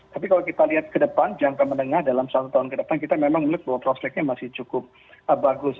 tapi kalau kita lihat ke depan jangka menengah dalam satu tahun ke depan kita memang melihat bahwa prospeknya masih cukup bagus